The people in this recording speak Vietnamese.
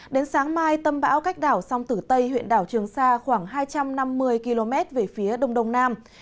đến sáng mai tâm bão cách đảo sông tử tây huyện đảo trường sa khoảng hai trăm năm mươi km về phía đông đông nam